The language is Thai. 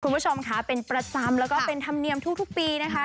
คุณผู้ชมค่ะเป็นประจำแล้วก็เป็นธรรมเนียมทุกปีนะคะ